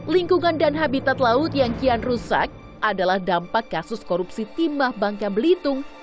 lingkungan dan habitat laut yang kian rusak adalah dampak kasus korupsi timah bangka belitung